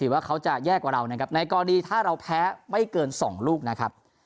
ว่าเขาจะแย่กว่าเรานะครับในกรณีถ้าเราแพ้ไม่เกิน๒ลูกนะครับ